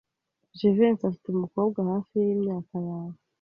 Jivency afite umukobwa hafi yimyaka yawe.